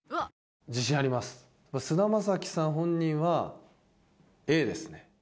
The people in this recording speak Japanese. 菅田将暉さん本人はＡですね。